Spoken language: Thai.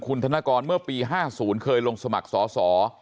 คุณธนกรเมื่อปี๕๐เคยลงสมัครสอสอ